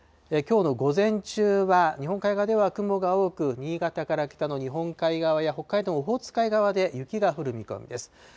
きょうの午前中は、日本海側では雲が多く、新潟から北の日本海側や北海道のオホーツク海側で雪が降る見込みです。